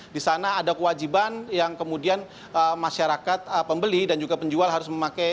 di sana ada kewajiban yang kemudian masyarakat pembeli dan juga penjual harus memakai